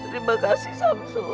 terima kasih samsul